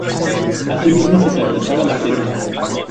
Asimismo se practicaba la pesca.